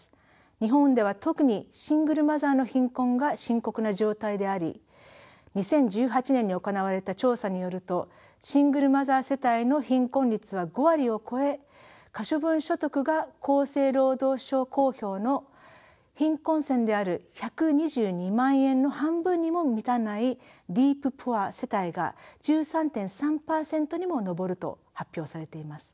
日本では特にシングルマザーの貧困が深刻な状態であり２０１８年に行われた調査によるとシングルマザー世帯の貧困率は５割を超え可処分所得が厚生労働省公表の貧困線である１２２万円の半分にも満たないディープ・プア世帯が１３．３％にも上ると発表されています。